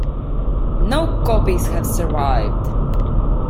No copies have survived.